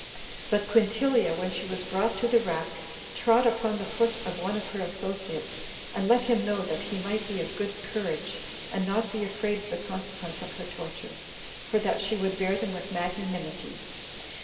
But Quintilia, when she was brought to the rack, trod upon the foot of one of her associates, and let him know that he might be of good courage, and not be afraid of the consequence of her tortures, for that she would bear them with magnanimity.